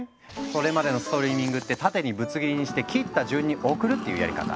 それまでのストリーミングってタテにぶつ切りにして切った順に送るっていうやり方。